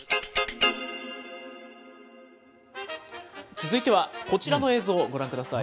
続いては、こちらの映像、ご覧ください。